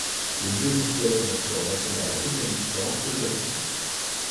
Le jeu est considéré comme un sport national au Kyrgyzistan et au Kazakhstan.